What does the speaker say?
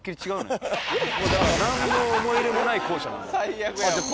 だから何の思い入れもない校舎なのよ。